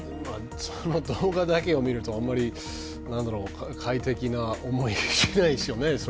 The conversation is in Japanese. この動画だけを見ると、あまり快適な思いはしないですよね。